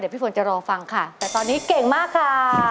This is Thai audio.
พี่ฝนจะรอฟังค่ะแต่ตอนนี้เก่งมากค่ะ